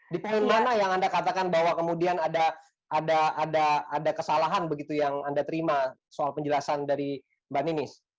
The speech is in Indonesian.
di poin mana yang anda katakan bahwa kemudian ada kesalahan begitu yang anda terima soal penjelasan dari mbak ninis